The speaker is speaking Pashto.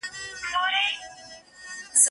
د یوې ورځي لګښت خواست یې ترې وکړ